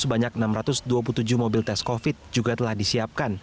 sebanyak enam ratus dua puluh tujuh mobil tes covid juga telah disiapkan